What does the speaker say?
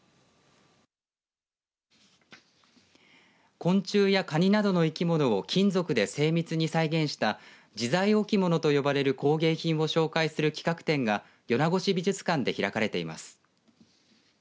昆虫やかになどの生き物を金属で精密に再現した自在置物と呼ばれる工芸品を紹介する企画展が米子市美術館で開かれています。